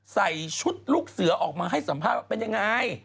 ใส่ชุดลูกเสือออกมาให้สัมภาษณ์ว่าเป็นยังไง